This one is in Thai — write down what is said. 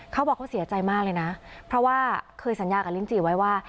เขาบอกเขาเสียใจมากเลยนะเพราะว่าเคยสัญญากับลิ้นจี่ไว้ว่า